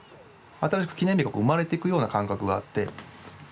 新しく記念日が生まれてくような感覚があって。